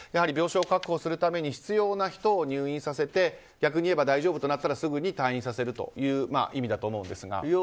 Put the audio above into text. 病床を確保するために必要な人を入院させて逆に言えば大丈夫となったらすぐに退院させるという意味だと思うんですが。